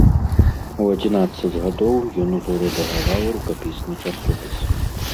У адзінаццаць гадоў ён ужо рэдагаваў рукапісны часопіс.